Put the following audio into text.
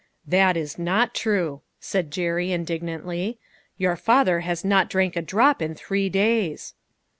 " That is not true," said Jerry, indignantly. "Your father has not drank a drop in three days."